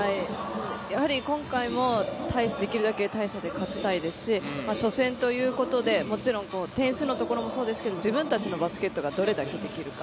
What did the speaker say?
やはり今回もできるだけ大差で勝ちたいですし初戦ということでもちろん点数のところもそうですけれど自分たちのバスケットがどれだけできるか。